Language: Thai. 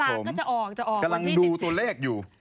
กำลังดูตัวเลขอยู่